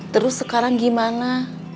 terus sekarang gimana